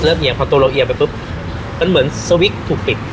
เอียงพอตัวเราเอียงไปปุ๊บมันเหมือนสวิกถูกปิด